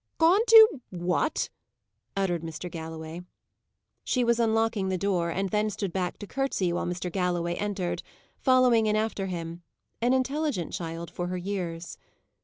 "Gone to what?" uttered Mr. Galloway. She was unlocking the door, and then stood back to curtsey while Mr. Galloway entered, following in after him an intelligent child for her years.